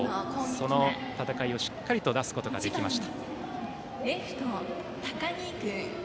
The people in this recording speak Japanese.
その戦いをしっかりと出すことができました。